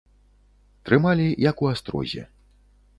Трымалі, як у астрозе.